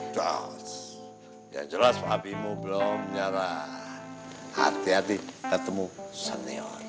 jangan jelas papimu belum nyara hati hati ketemu senior